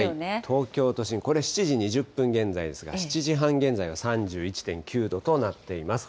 東京都心、これ、７時２０分現在ですが、７時半現在が３１．９度となっています。